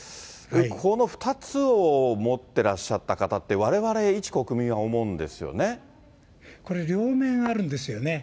この２つを持ってらっしゃった方って、われわれ、一国民は思うんこれ、両面あるんですよね。